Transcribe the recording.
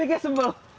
dia kayak sebel